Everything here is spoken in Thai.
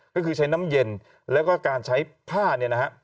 ก็คือใช้น้ำเย็นแล้วก็การใช้ผ้าเนี่ยนะฮะ